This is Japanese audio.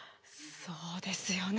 そうですよね。